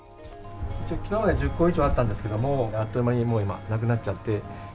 きのうまで１０個以上あったんですけど、あっという間に、もう今、なくなっちゃって。